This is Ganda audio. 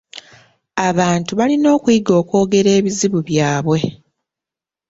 Abantu balina okuyiga okwogera ebizibu byabwe.